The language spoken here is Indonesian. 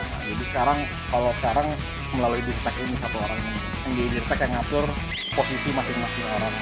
nah jadi sekarang kalau sekarang melalui diretek ini satu orang yang ngatur posisi masing masing orang